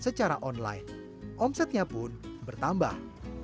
secara online omsetnya pun bertambah